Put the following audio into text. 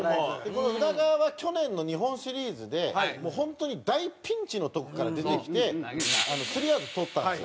この宇田川は去年の日本シリーズでもう本当に大ピンチのとこから出てきて３アウトとったんですよ。